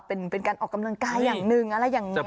เป็นการออกกำลังกายอย่างหนึ่งอะไรอย่างนี้